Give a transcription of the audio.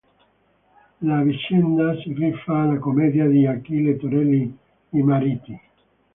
La vicenda si rifà alla commedia di Achille Torelli "I mariti.